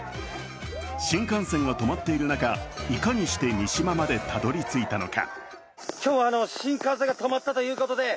新幹線が止まっている中、いかにして三島までたどり着いたのか。